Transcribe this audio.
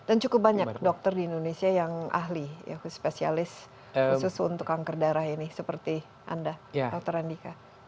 dan cukup banyak dokter di indonesia yang ahli spesialis khusus untuk kanker darah ini seperti anda dr randika